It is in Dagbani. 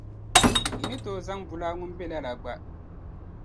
Yi ni tooi zaŋ bulaa ŋun be lala gba.